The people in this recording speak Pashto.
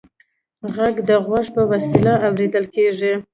غږ د غوږ په وسیله اورېدل کېږي.